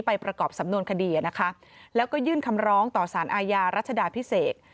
ประกอบสำนวนคดีนะคะแล้วก็ยื่นคำร้องต่อสารอาญารัชดาพิเศษ